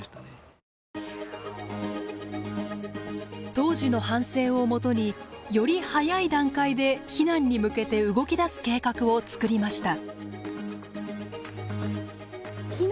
当時の反省をもとにより早い段階で避難に向けて動きだす計画を作りました。